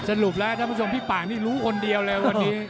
สรุปแล้วท่านผู้ชมพี่ป่างนี่รู้คนเดียวเลยวันนี้